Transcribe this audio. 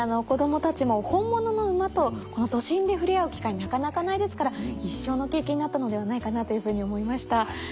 子供たちも本物の馬とこの都心でふれあう機会なかなかないですから一生の経験になったのではないかなというふうに思いました。